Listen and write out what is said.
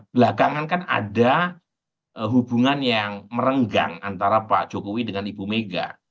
belakangan kan ada hubungan yang merenggang antara pak jokowi dengan ibu mega